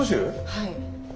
はい。